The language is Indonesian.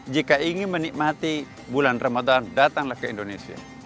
jika ingin menikmati bulan ramadhan datanglah ke indonesia